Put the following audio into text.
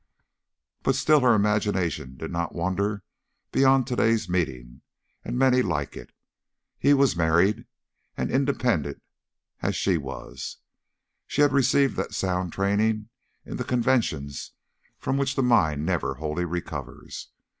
But still her imagination did not wander beyond today's meeting and many like it. He was married, and, independent as she was, she had received that sound training in the conventions from which the mind never wholly recovers.